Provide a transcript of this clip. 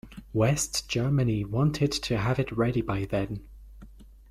West Germany wanted to have it ready by then.